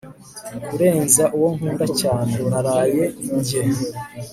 kurenza uwo nkunda cyane naraye ndye